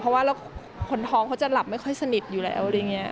เพราะว่าคนท้องเขาจะหลับไม่ค่อยสนิทอยู่แล้ว